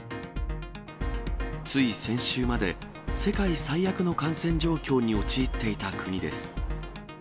つい先週まで、世界最悪の感染状況に陥っていた国です。